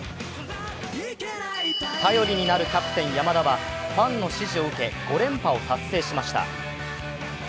頼りになるキャプテン・山田はファンの支持を得て５連覇を達成しました。